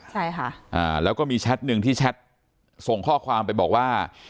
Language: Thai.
ใช่ค่ะอ่าแล้วก็มีแชทหนึ่งที่แชทส่งข้อความไปบอกว่า